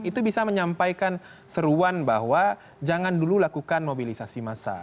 itu bisa menyampaikan seruan bahwa jangan dulu lakukan mobilisasi massa